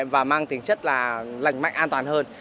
và mang tính chất là lành mạnh an toàn hơn